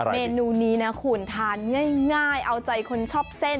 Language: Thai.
เมนูนี้นะคุณทานง่ายเอาใจคนชอบเส้น